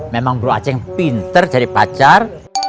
memang bro aceh yang pinter jadi pacar